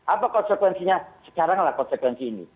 apa konsekuensinya sekarang lah konsekuensi ini